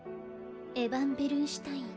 エヴァン＝ベルンシュタイン